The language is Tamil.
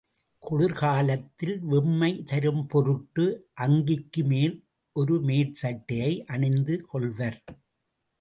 குளிர் காலத்தில் வெம்மை தரும் பொருட்டு அங்கிக்கு மேல் ஒரு மேற் சட்டையை அணிந்து கொள்வர்.